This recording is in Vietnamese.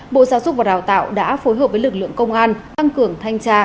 bộ giáo dục và đào tạo đã phối hợp với lực lượng công an tăng cường thanh tra